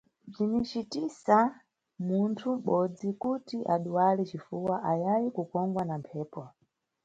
Bzinicitisa munthu mʼbodzi kuti aduwale cifuwa ayayi kukongwa na mphepo.